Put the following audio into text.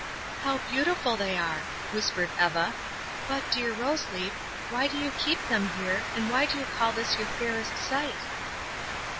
"How beautiful they are," whispered Eva, "but, dear Rose Leaf, why do you keep them here, and why call you this your fairest sight?"